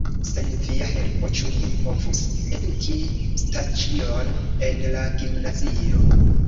Sen via helpo, ĉu ni povus eduki Staĉjon en la gimnazio?